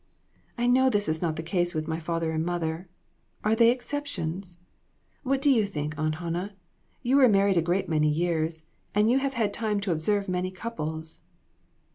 I know this is not the case with my father and mother. Are they exceptions ? What do you think, Aunt Han nah ? You were married a great many years, and you have had time to observe many couples."